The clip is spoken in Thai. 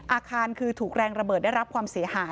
อาคารคือถูกแรงระเบิดได้รับความเสียหาย